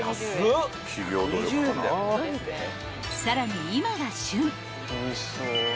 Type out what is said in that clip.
［さらに今が］